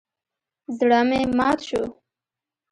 زړه مې مات شو.